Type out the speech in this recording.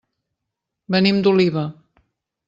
Venim d'Oliva.